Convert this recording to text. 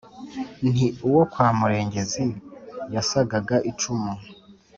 Nti: "Uwo kwa Murengezi yasagaga icumi,